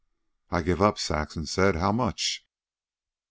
"I give up," Saxon said. "How much?"